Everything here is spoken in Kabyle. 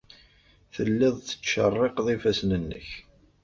Telliḍ tettcerriqeḍ ifassen-nnek.